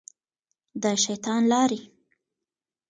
د شیطان لارې.